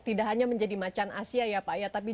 tidak hanya menjadi macan asia ya pak ya tapi